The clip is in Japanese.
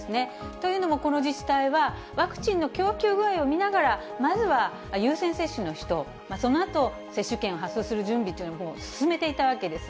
というのも、この自治体はワクチンの供給具合を見ながら、まずは優先接種の人、そのあと接種券を発送する準備というのを進めていたわけです。